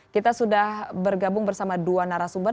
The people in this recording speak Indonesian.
kita sudah bergabung bersama dua narasumber